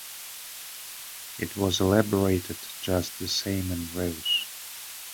It was elaborated just the same in Reus.